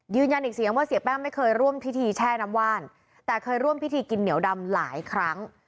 ยืนยันอีกเสียงว่าเสียแป้งไม่เคยร่วมพิธีแช่น้ำว่านแต่เคยร่วมพิธีกินเหนียวดำหลายครั้ง